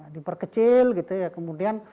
diperkecil gitu ya kemudian